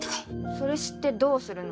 それ知ってどうするの？